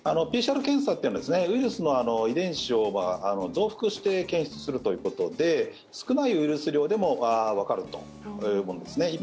ＰＣＲ検査というのはウイルスの遺伝子を増幅して検出するということで少ないウイルス量でもわかるというものですね。